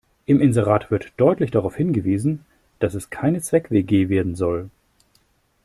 Im Inserat wird deutlich darauf hingewiesen, dass es keine Zweck-WG werden soll.